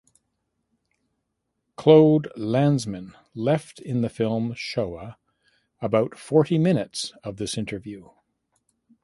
Claude Lanzmann left in the film "Shoah" about forty minutes of this interview.